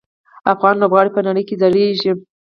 افغان لوبغاړي په نړۍ کې ځلیږي.